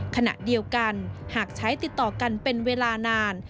ขณะเดียวกันหากใช้ติดต่อกันเป็นเวลานาน